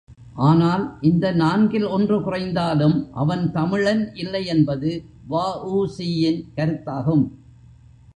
ஆனால், இந்த நான்கில் ஒன்று குறைந்தாலும் அவன் தமிழன் இல்லை என்பது வ.உ.சி.யின் கருத்தாகும்.